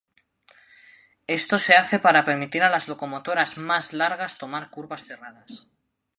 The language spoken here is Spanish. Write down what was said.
Esto se hace para permitir a las locomotoras más largas tomar curvas cerradas.